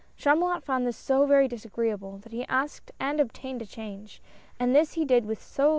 Chamulot found this so very disagreeable, that he asked and obtained a change ; and this he did with so 60 BEFORE DAWN.